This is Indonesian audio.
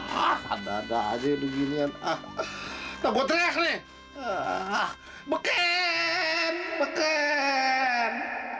hahaha ada ada aja beginian ah tak buat reak nih ah beken beken